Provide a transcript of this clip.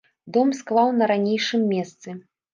Дом склаў на ранейшым месцы.